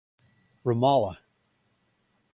Ramallah!